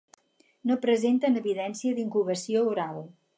No presenten evidència d'incubació oral.